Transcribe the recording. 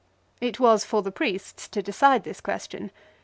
It was for the priests to decide this question.